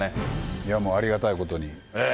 いや、もう、ありがたいことに。